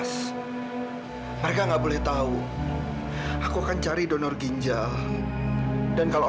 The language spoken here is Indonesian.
sampai jumpa di video selanjutnya